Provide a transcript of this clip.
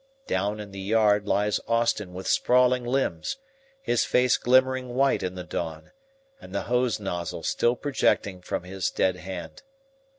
Down in the yard lies Austin with sprawling limbs, his face glimmering white in the dawn, and the hose nozzle still projecting from his dead hand.